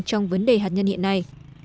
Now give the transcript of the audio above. trong vấn đề hạt nhân hiện nay